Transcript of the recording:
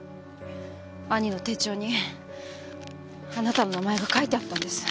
兄の手帳にあなたの名前が書いてあったんです。